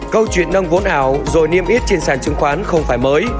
câu chuyện nâng vốn ảo rồi niêm yết trên sàn chứng khoán không phải mới